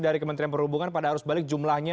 dari kementerian perhubungan pada arus balik jumlahnya